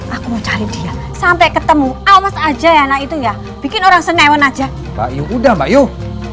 aku mau cari dia sampai ketemu awas aja ya anak itu ya bikin orang senewan aja bayu udah mbak yuk